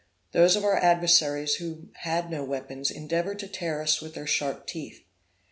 Those of our adversaries who had no weapons endeavored to tear us with their sharp teeth.